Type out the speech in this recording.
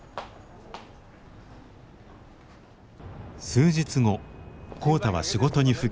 数日後浩太は仕事に復帰しました。